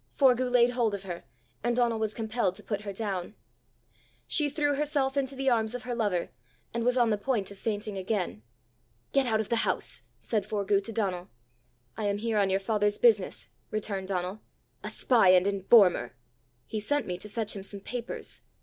Forgue laid hold of her, and Donal was compelled to put her down. She threw herself into the arms of her lover, and was on the point of fainting again. "Get out of the house!" said Forgue to Donal. "I am here on your father's business!" returned Donal. "A spy and informer!" "He sent me to fetch him some papers."